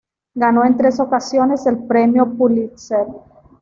Ganó en tres ocasiones el Premio Pulitzer.